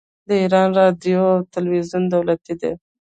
د ایران راډیو او تلویزیون دولتي دي.